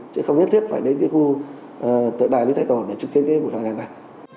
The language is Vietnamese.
chứ không nhất thiết phải đến cái khu tợi đài lý thái tổ để chứng kiến cái vụ hòa giảng này